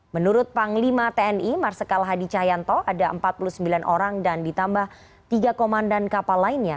menurut panglima tni marsikal hadi cahyanto ada empat puluh sembilan orang dan ditambah tiga komandan kapal lainnya